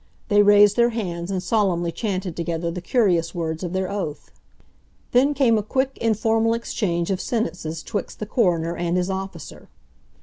They raised their hands and solemnly chanted together the curious words of their oath. Then came a quick, informal exchange of sentences 'twixt the coroner and his officer.